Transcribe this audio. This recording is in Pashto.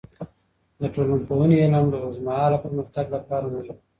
د ټولنپوهنې علم د اوږدمهاله پرمختګ لپاره مهم دی.